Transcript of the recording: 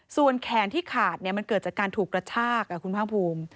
ส่วนแขนที่ขาดมันเกิดจากการถูกกระชากคุณภาคภูมิ